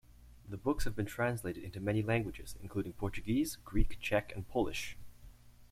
The books have been translated into many languages, including Portuguese, Greek, Czech and Polish.